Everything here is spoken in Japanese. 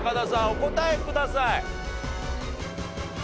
お答えください。